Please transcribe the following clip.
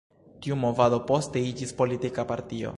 Tiu movado poste iĝis politika partio.